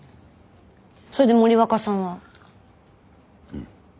それで森若さんは？うん。